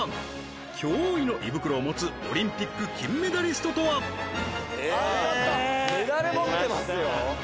驚異の胃袋を持つオリンピック金メダリストとは！？えっ！？